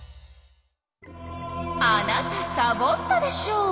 あなたサボったでしょ！